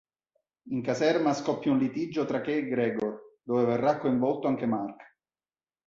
In caserma scoppia un litigio tra Kay e Gregor, dove verrà coinvolto anche Marc.